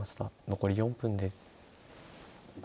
残り４分です。